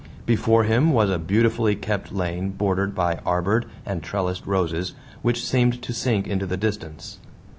Before him was a beautifully kept lane bordered by arbored and trellised roses, which seemed to sink into the distance.